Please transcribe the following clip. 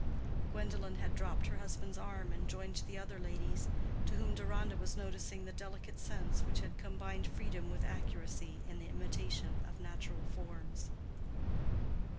Gwendolen had dropped her husband's arm and joined the other ladies, to whom Deronda was noticing the delicate sense which had combined freedom with accuracy in the imitation of natural forms.